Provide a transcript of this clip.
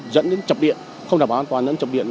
dẫn đến chập điện không đảm bảo an toàn dẫn đến chập điện